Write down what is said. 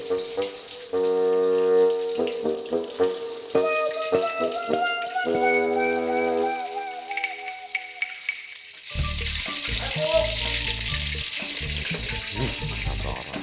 hmm asal dorang